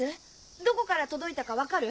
どこから届いたか分かる？